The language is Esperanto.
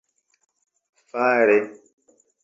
fare